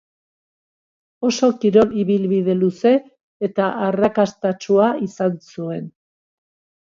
Oso kirol ibilbide luze eta arrakastatsua izan zuen.